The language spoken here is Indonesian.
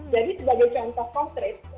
jadi sebagai contoh konkret